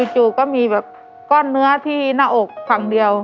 จู่ก็มีแบบก้อนเนื้อที่หน้าอกฝั่งเดียว